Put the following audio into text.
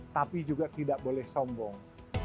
tapi juga tidak boleh sombong